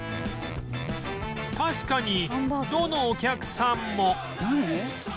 確かにどのお客さんも何？